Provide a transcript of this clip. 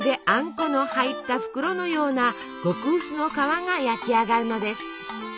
この入った袋のような極薄の皮が焼き上がるのです。